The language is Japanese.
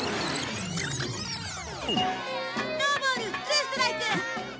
ノーボールツーストライク。